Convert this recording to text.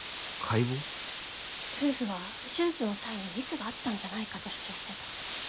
夫婦は手術の際にミスがあったんじゃないかと主張してた。